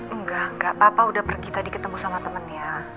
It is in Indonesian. enggak enggak papa udah pergi tadi ketemu sama temennya